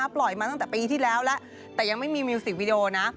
ปล่อยมาตั้งแต่ปีที่แล้วแล้วแต่ยังไม่มีมิวสิกวิดีโอนะ